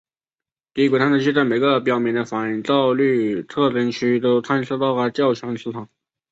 低轨探测器在每个标明的反照率特征区都探测到了较强磁场。